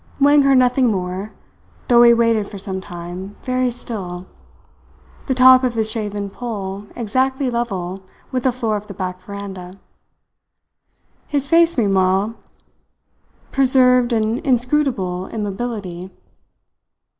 Wang heard nothing more, though he waited for some time, very still, the top of his shaven poll exactly level with the floor of the back veranda. His face meanwhile preserved an inscrutable immobility.